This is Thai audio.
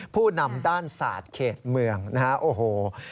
ผู้นำด้านศาสตร์เขตเมืองนะฮะโอ้โห